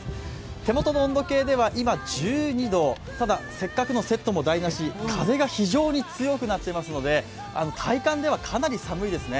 手元の温度計では今、１２度ただせっかくのセットも台なし風が非常に強くなっていますので体感ではかなり寒いですね。